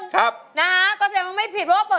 ซักชุมแพร์